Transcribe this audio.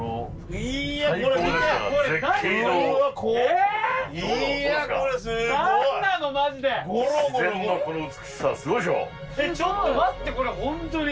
えっちょっと待ってこれ本当に。